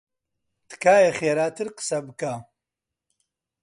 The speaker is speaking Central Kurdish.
تکایە خێراتر قسە بکە.